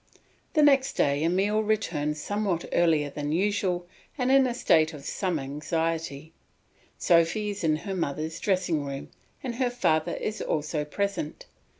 The next day Emile returns somewhat earlier than usual and in a state of some anxiety. Sophy is in her mother's dressing room and her father is also present.